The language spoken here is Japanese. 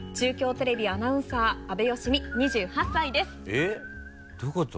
えっどういうこと？